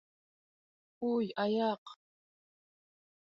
Уй, аяҡ!